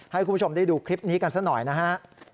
ให้คุณผู้ชมได้ดูคลิปนี้กันซะหน่อยนะฮะ